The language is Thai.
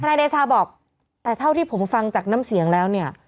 นายเดชาบอกแต่เท่าที่ผมฟังจากน้ำเสียงแล้วเนี่ย